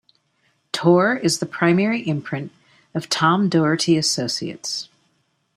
Tor is the primary imprint of Tom Doherty Associates.